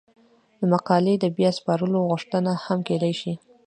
د مقالې د بیا سپارلو غوښتنه هم کیدای شي.